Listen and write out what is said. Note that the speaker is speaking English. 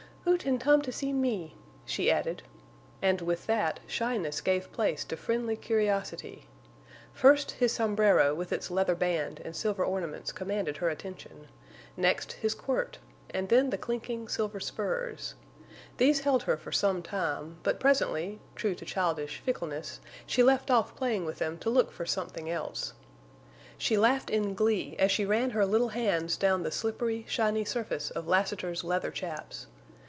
"Oo tan tom to see me," she added, and with that, shyness gave place to friendly curiosity. First his sombrero with its leather band and silver ornaments commanded her attention; next his quirt, and then the clinking, silver spurs. These held her for some time, but presently, true to childish fickleness, she left off playing with them to look for something else. She laughed in glee as she ran her little hands down the slippery, shiny surface of Lassiter's leather chaps.